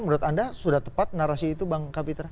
menurut anda sudah tepat narasi itu bang kapitra